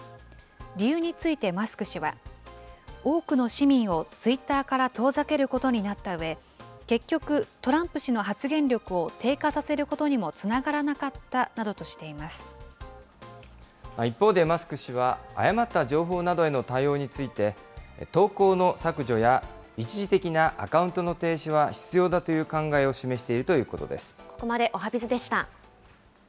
理由について、マスク氏は、多くの市民をツイッターから遠ざけることになったうえ、結局、トランプ氏の発言力を低下させることにもつながらなかったなどとしてい一方で、マスク氏は、誤った情報などへの対応について、投稿の削除や、一時的なアカウントの停止は必要だという考えを示しているということです。